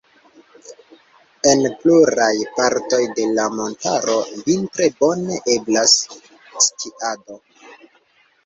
En pluraj partoj de la montaro vintre bone eblas skiado.